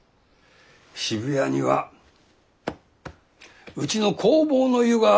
渋谷にはうちの弘法湯がある！